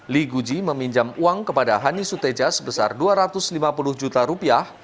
lee guji meminjam uang kepada hani suteja sebesar dua ratus lima puluh juta rupiah